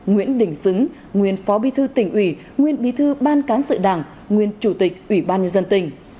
nguyễn đình xứng nguyên phó bí thư tỉnh ủy nguyên bí thư ban cán sự đảng nguyên chủ tịch ủy ban nhân dân tỉnh